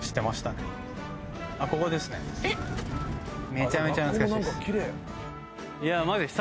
めちゃめちゃ懐かしいです。